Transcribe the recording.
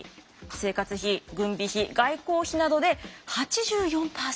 生活費軍備費外交費などで８４％が。